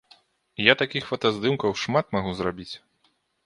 Я такіх фотаздымкаў шмат магу зрабіць.